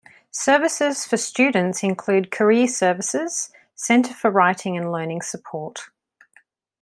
Services for students include Career Services, Center for Writing and Learning Support.